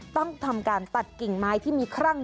ต้องทำการตัดกิ่งไม้ที่มีครั่ง